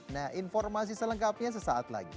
nah informasi selengkapnya sesaat lagi